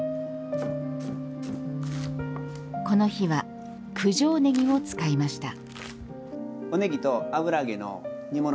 この日は九条ねぎを使いました。